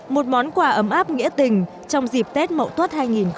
một món quà ấm áp nghĩa tình trong dịp tết mộ tuất hai nghìn một mươi tám